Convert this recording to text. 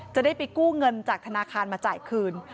จะได้ไปกู้เงินจากธนาคารมาจ่ายคืน